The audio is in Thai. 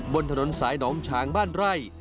บนถนนสายหนองฉางบ้านไร่